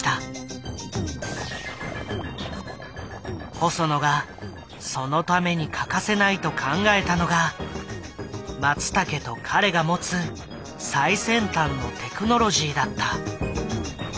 細野がそのために欠かせないと考えたのが松武と彼が持つ最先端のテクノロジーだった。